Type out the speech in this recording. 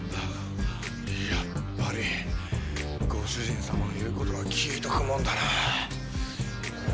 やっぱりご主人様の言う事は聞いとくもんだな。